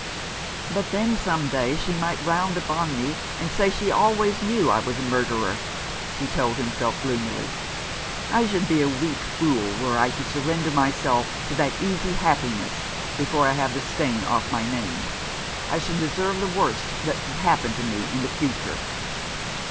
"But then some day she might round upon me and say she always knew I was a murderer," he told himself gloomily. " I should be a weak fool were I to surrender myself to that easy happiness before I have the stain off my name. I should deserve the worst that could happen to me in the future."